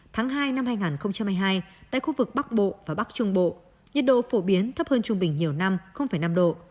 tháng hai năm hai nghìn hai mươi hai tại khu vực bắc bộ và bắc trung bộ nhiệt độ phổ biến thấp hơn trung bình nhiều năm năm độ